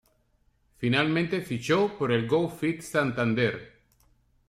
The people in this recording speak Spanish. Finalmente fichó por el Go Fit Santander.